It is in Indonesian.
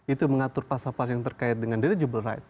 itu mengatur pasal pasal yang terkait dengan deligable right